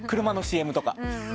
車のＣＭとか。